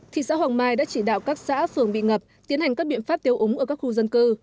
thị xã hoàng mai đã chỉ đạo các xã phường bị ngập tiến hành các biện pháp tiêu úng ở các khu dân cư